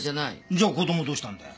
じゃあ子供どうしたんだよ？